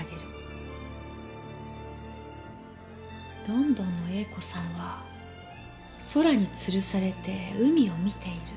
ロンドンのＡ子さんは空につるされて海を見ている。